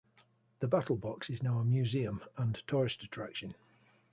The Battle Box is now a museum and tourist attraction.